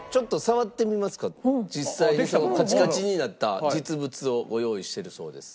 実際にカチカチになった実物をご用意してるそうです。